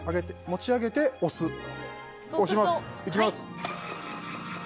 持ち上げて、押す。いきます。